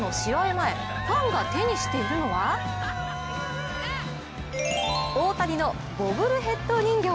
前、ファンが手にしているのは大谷のボブルヘッド人形。